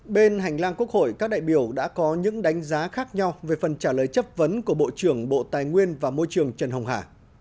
bên hành lang quốc hội các đại biểu đã có những đánh giá khác nhau về phần trả lời chất vấn của bộ trưởng bộ tài nguyên và môi trường trần hồng hà